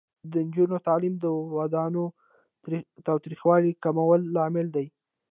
د نجونو تعلیم د ودونو تاوتریخوالي کمولو لامل دی.